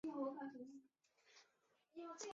谭芷翎是香港戏剧演员。